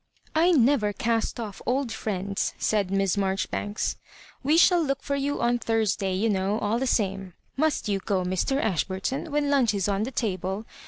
" I never cast off old friends/' said Miss Mar joribanks. " "We shall look for you on Thursday, you know, all the same. Must you go, Mr. Ash burton 9 when lunch is on the table?